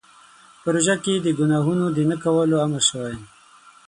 په روژه کې د ګناهونو د نه کولو امر شوی دی.